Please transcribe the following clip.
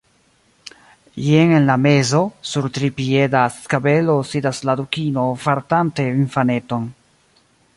Jen en la mezo, sur tripieda skabelo sidas la Dukino vartante infaneton.